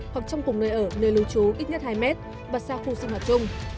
hoặc trong cùng nơi ở nơi lưu trú ít nhất hai mét và xa khu sinh hoạt chung